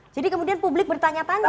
jadi kemudian publik bertanya tanya